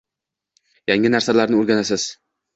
Yangi narsalarni o’rganasiz